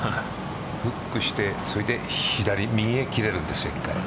フックして、そして左、右へ切れるんですよ。